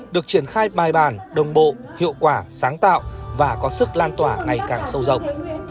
được triển khai bài bản đồng bộ hiệu quả sáng tạo và có sức lan tỏa ngày càng sâu rộng